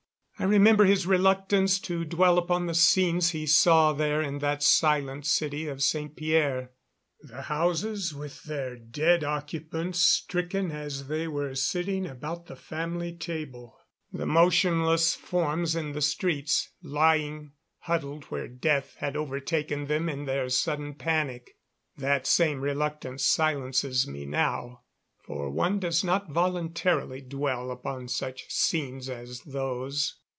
I remember his reluctance to dwell upon the scenes he saw there in that silent city of St. Pierre the houses with their dead occupants, stricken as they were sitting about the family table; the motionless forms in the streets, lying huddled where death had overtaken them in their sudden panic. That same reluctance silences me now, for one does not voluntarily dwell upon such scenes as those.